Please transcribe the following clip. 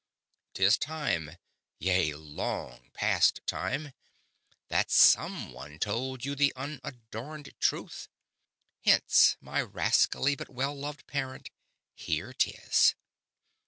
'Tis time yea, long past time that someone told you the unadorned truth. Hence, my rascally but well loved parent, here 'tis.